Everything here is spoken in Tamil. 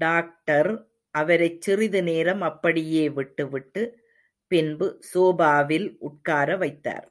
டாக்டர் அவரைச் சிறிது நேரம் அப்படியே விட்டுவிட்டு, பின்பு சோபாவில் உட்கார வைத்தார்.